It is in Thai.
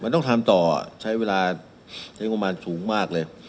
มันต้องทำต่อใช้เวลาใช้งบมารสูงมากเลย